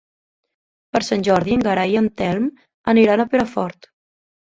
Per Sant Jordi en Gerai i en Telm aniran a Perafort.